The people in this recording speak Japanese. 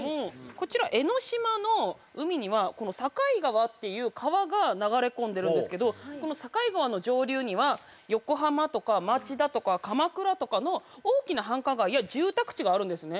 こちら江ノ島の海には境川っていう川が流れ込んでるんですけどこの境川の上流には横浜とか町田とか鎌倉とかの大きな繁華街や住宅地があるんですね。